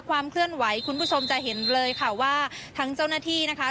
ความเคลื่อนไหวคุณผู้ชมจะเห็นเลยค่ะว่าทั้งเจ้าหน้าที่นะคะ